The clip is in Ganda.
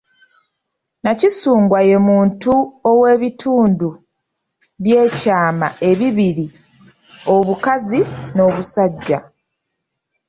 Nakisungwa ye muntu ow’ebItundu by’ekyama ebibiri, obukazi n’obusajja.